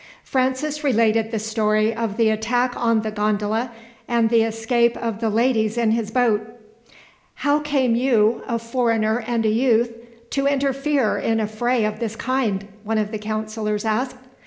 Francis related the story of the attack on the gondola, and the escape of the ladies in his boat. "How came you, a foreigner and a youth, to interfere in a fray of this kind?" one of the councillors asked.